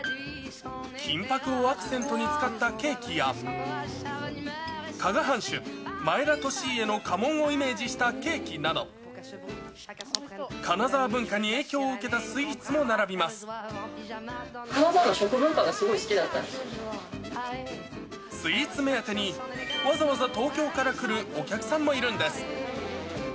金ぱくをアクセントに使ったケーキや、加賀藩主、前田利家の家紋をイメージしたケーキなど、金沢文化に影響を受け金沢の食文化がすごい好きだスイーツ目当てに、わざわざ東京から来るお客さんもいるんです。